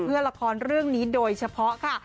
เพื่อละครเรื่องนี้โดยเฉพาะค่ะ